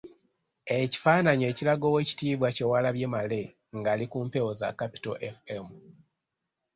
Ekifaananyi ekiraga oweekitiibwa Kyewalabye Male nga ali ku mpewo za Capital FM.